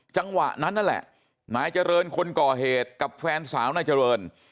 จังหวะนั้นนั่นแหละนายเจริญคนก่อเหตุกับแฟนสาวนายเจริญ